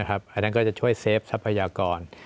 อันนั้นก็จะช่วยเซฟทรัพยากร